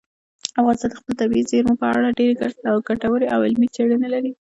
افغانستان د خپلو طبیعي زیرمو په اړه ډېرې ګټورې او علمي څېړنې لري.